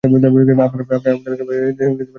আপনারা সবাই এখানে বসুন, আমি একটু আসতেছি।